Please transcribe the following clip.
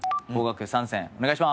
お願いします。